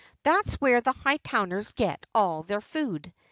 That's where the Hightowners get all their food.